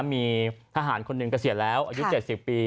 มีทหารคนหนึ่งเกษียณแล้วอายุ๗๐ปี